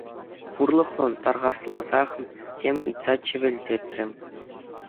Хурлӑхлӑн тархасласах тем ыйтса чӗвӗлтетрӗ.